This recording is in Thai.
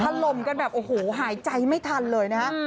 ถล่มกันแบบโอ้โหหายใจไม่ทันเลยนะฮะ